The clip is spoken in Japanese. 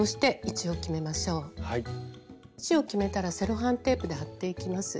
位置を決めたらセロハンテープで貼っていきます。